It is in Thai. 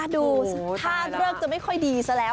ดูถ้าเลิกจะไม่ค่อยดีซะแล้ว